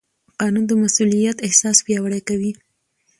قانون د مسوولیت احساس پیاوړی کوي.